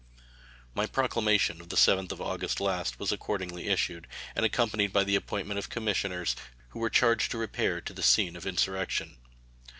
My proclamation of the 7th of August last was accordingly issued, and accompanied by the appointment of commissioners, who were charged to repair to the scene of insurrection.